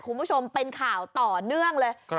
คุณผู้ชมเป็นข่าวต่อเนื่องเลย